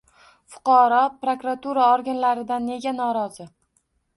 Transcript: Fuqaro prokuratura organlaridan nega norozi